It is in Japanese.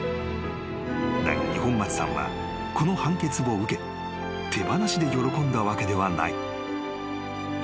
［だが二本松さんはこの判決を受け手放しで喜んだわけではない］